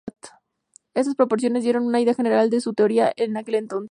Estas proposiciones dieron una idea general de su teoría en aquel entonces.